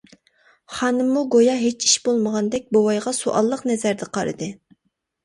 خانىممۇ گويا ھېچ ئىش بولمىغاندەك بوۋايغا سوئاللىق نەزەردە قارىدى.